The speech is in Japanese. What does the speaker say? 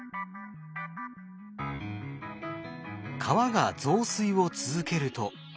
川が増水を続けると。